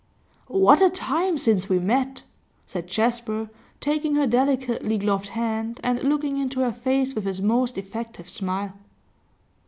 'What a time since we met!' said Jasper, taking her delicately gloved hand and looking into her face with his most effective smile.